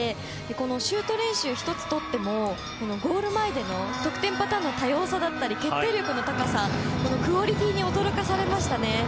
このシュート練習１つとってもゴール前での得点パターンの多様さだったり決定力の高さクオリティーに驚かされました。